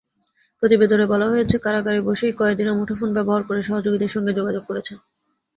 প্রতিবেদনে বলা হয়েছে, কারাগারে বসেই কয়েদিরা মুঠোফোন ব্যবহার করে সহযোগীদের সঙ্গে যোগাযোগ করেছেন।